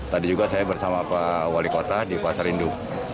tadi juga saya bersama pak wali kota di pasar induk